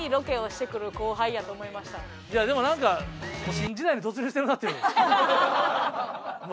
いやでもなんか新時代に突入してるなっていう。